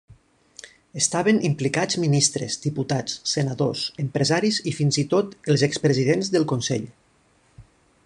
Estaven implicats ministres, diputats, senadors, empresaris i fins i tot els expresidents del Consell.